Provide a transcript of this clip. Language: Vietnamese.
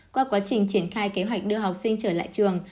qua quá trình triển khai kế hoạch đưa học sinh trở lại trường